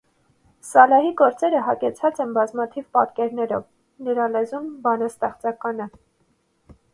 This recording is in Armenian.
Սալիհի գործերը հագեցած են բազմաթիվ պատկերներով, նրա լեզուն բանաստեղծական է։